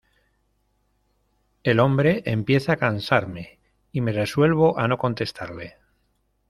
el hombre empieza a cansarme, y me resuelvo a no contestarle.